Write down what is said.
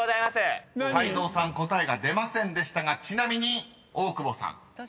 ［泰造さん答えが出ませんでしたがちなみに大久保さん］